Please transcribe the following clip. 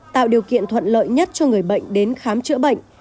tạo điều kiện thuận lợi nhất cho người bệnh đến khám chữa bệnh